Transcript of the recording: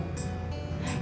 ya sudah mbak isah